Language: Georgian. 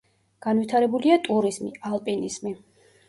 განვითარებულია ტურიზმი, ალპინიზმი.